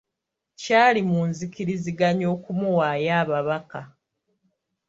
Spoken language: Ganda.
Kyali mu nzikiriziganya okumuwaayo ababaka.